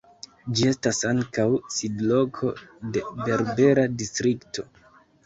Ĝi estas ankaŭ sidloko de "Berbera Distrikto".